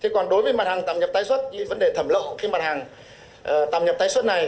còn đối với mặt hàng tạm nhập tái xuất vấn đề thẩm lậu khi mặt hàng tạm nhập tái xuất này